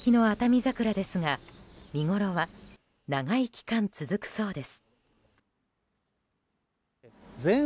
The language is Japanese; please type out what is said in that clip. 桜ですが見ごろは長い期間続くそうです。